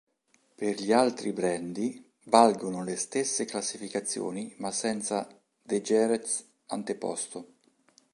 Per gli altri brandy valgono le stesse classificazioni ma senza "de Jerez" anteposto.